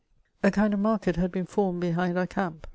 A KiiTD of market had been fonned behind oar camp.